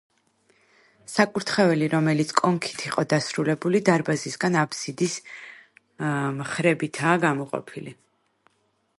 საკურთხეველი, რომელიც კონქით იყო დასრულებული, დარბაზისგან აფსიდის მხრებითაა გამოყოფილი.